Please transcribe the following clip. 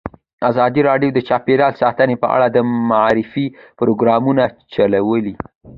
ازادي راډیو د چاپیریال ساتنه په اړه د معارفې پروګرامونه چلولي.